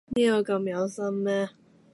邊個咁有心呢？